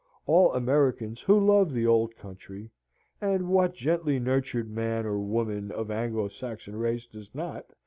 All Americans who love the old country and what gently nurtured man or woman of Anglo Saxon race does not?